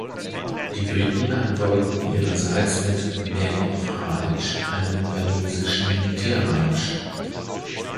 Die Briten antworten ihrerseits mit „Men of Harlech“, einem walisischen Militärmarsch.